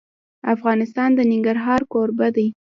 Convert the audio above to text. افغانستان د ننګرهار کوربه دی.